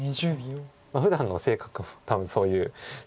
ふだんの性格も多分そういうところが。